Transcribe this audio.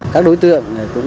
các đối tượng cũng